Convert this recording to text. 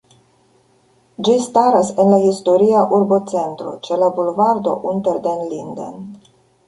Ĝi staras en la historia urbocentro ĉe la bulvardo Unter den Linden.